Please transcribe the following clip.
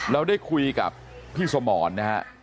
แล้วได้คุยกับพี่สมเนี่ยฮะ